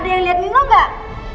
ada yang liat nino gak